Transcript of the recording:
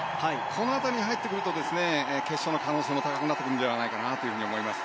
この辺りに入ってくると決勝の可能性も高くなってくると思います。